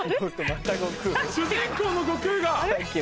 主人公の悟空が！